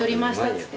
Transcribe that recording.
つって。